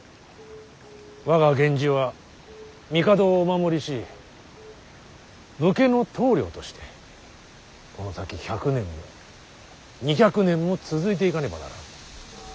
我が源氏は帝をお守りし武家の棟梁としてこの先１００年も２００年も続いていかねばならん。